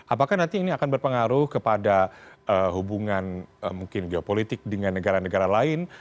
apakah nanti ini akan berpengaruh kepada hubungan mungkin geopolitik dengan negara negara lain